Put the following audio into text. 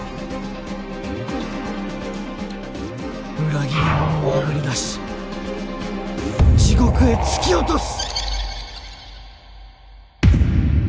裏切り者をあぶり出し地獄へ突き落とす！